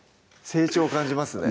成長を感じますね